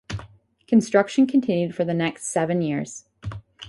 Construction continued for the next seven years.